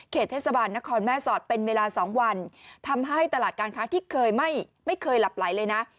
เทศบาลนครแม่สอดเป็นเวลาสองวันทำให้ตลาดการค้าที่เคยไม่ไม่เคยหลับไหลเลยนะ